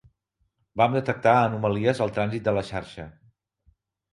Vam detectar anomalies al trànsit de la xarxa.